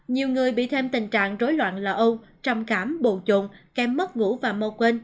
nhiều người bị thêm tình trạng rối loạn lò âu trầm cảm bồn trộn kém mất ngủ và mơ quên